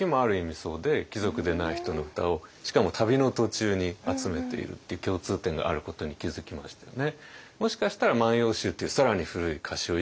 そうで貴族でない人の歌をしかも旅の途中に集めているっていう共通点があることに気付きましてね。